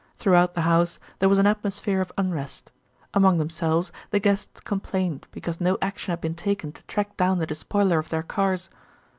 Throughout the house there was an atmosphere of unrest. Among themselves the guests complained because no action had been taken to track down the despoiler of their cars.